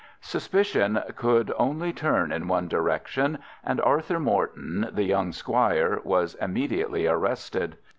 Suspicion could only turn in one direction, and Arthur Morton, the young squire, was immediately arrested.